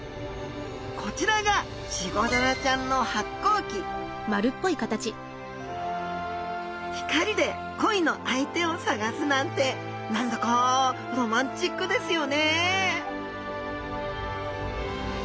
こちらがチゴダラちゃんの発光器光で恋の相手を探すなんて何だかロマンチックですよねえ